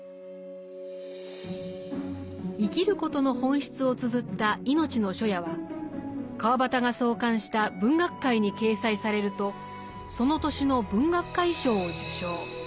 生きることの本質をつづった「いのちの初夜」は川端が創刊した「文學界」に掲載されるとその年の文學界賞を受賞。